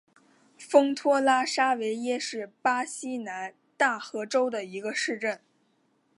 丰托拉沙维耶是巴西南大河州的一个市镇。